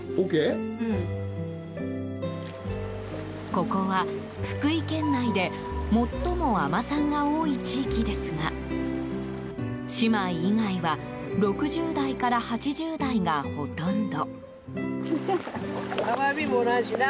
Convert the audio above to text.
ここは、福井県内で最も海女さんが多い地域ですが姉妹以外は６０代から８０代がほとんど。